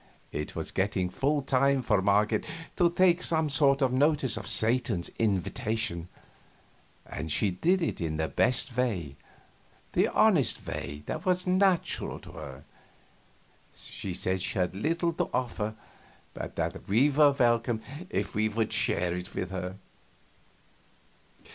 It was getting full time for Marget to take some sort of notice of Satan's invitation, and she did it in the best way, the honest way that was natural to her. She said she had little to offer, but that we were welcome if we would share it with her.